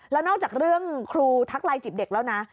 แล้วนอกจากเรื่องครูทักไลน์จิบเด็กแล้วนะ